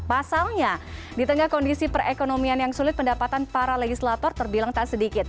pasalnya di tengah kondisi perekonomian yang sulit pendapatan para legislator terbilang tak sedikit